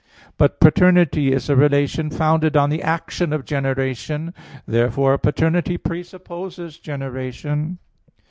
But paternity is a relation founded on the action of generation. Therefore paternity presupposes generation.